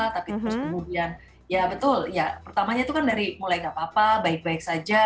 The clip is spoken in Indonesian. tapi terus kemudian ya betul ya pertamanya itu kan dari mulai gak apa apa baik baik saja